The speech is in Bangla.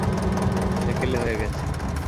সেকেলে হয়ে গেছে।